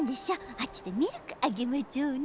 あっちでミルクあげまちょうね。